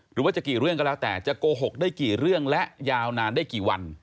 หรือว่าจะกี่เรื่องก็แล้วแต่จะโกหกได้กี่เรื่องและยาวนานได้กี่วัน